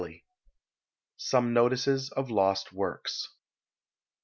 ] SOME NOTICES OF LOST WORKS.